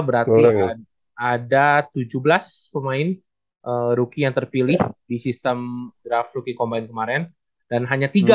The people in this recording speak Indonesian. berarti ada tujuh belas pemain rookie yang terpilih di sistem draft rookie combine kemarin dan hanya tiga